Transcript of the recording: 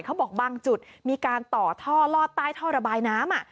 บางจุดมีการต่อท่อลอดใต้ท่อระบายน้ำ